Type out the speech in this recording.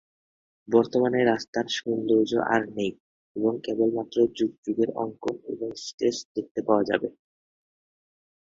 বর্তমানে রাস্তার সৌন্দর্য আর নেই এবং কেবলমাত্র যুগ যুগের অঙ্কন এবং স্কেচ দেখতে পাওয়া যাবে।